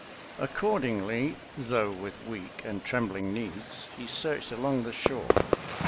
Accordingly, though with weak and trembling knees, he searched along the shore.